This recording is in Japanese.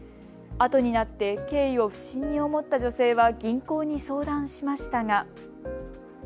あとになって経緯を不審に思った女性は銀行に相談しましたが。